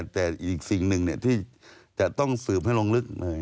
แต่อีกสิ่งหนึ่งที่จะต้องสืบให้ลงลึก